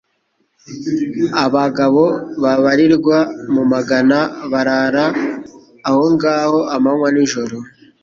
Abagabo babarirwa mu magana barara aho ngaho amanywa n'ijoro.